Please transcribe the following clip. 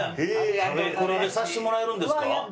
食べ比べさせてもらえるんですか？